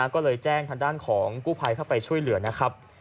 ก็เลยแจ้งทางด้านของกู้ภัยเข้าไปช่วยเหลือนะครับ